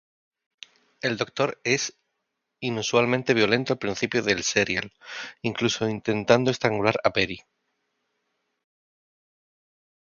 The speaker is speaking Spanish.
El Doctor es inusualmente violento al principio del serial, incluso intentando estrangular a Peri.